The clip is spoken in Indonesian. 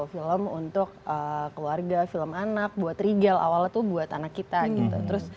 film untuk keluarga film anak buat rigel awalnya tuh buat anak kita gitu terus